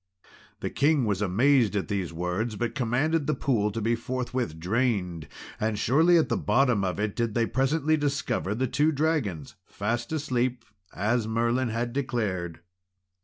The king was amazed at these words, but commanded the pool to be forthwith drained; and surely at the bottom of it did they presently discover the two dragons, fast asleep, as Merlin had declared.